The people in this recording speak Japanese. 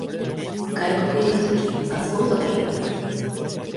外国へ行くとき、パスポートが要ります。